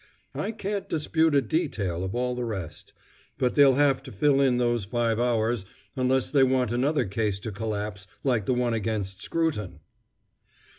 I can't dispute a detail of all the rest. But they'll have to fill in those five hours unless they want another case to collapse like the one against Scruton!"